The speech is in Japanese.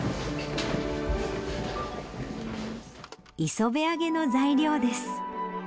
磯辺揚げの材料です。